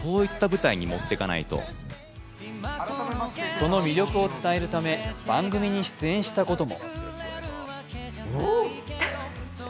その魅力を伝えるため番組に出演したことも。